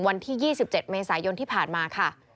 วันที่๒๗เมษายนที่ผ่านมาค่ะ